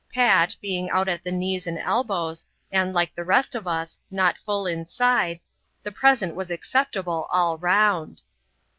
Pat, being out at the knees and elbows, and, like the rest of us, not full ioside, the present was acceptable all round.